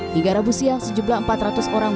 di garabusia sejumlah empat ratus orang